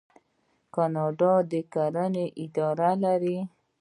کاناډا د کرنې اداره لري.